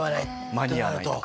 間に合わないとか。